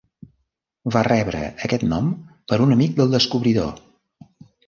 Va rebre aquest nom per un amic del descobridor.